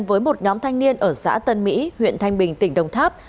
với một nhóm thanh niên ở xã tân mỹ huyện thanh bình tỉnh đồng tháp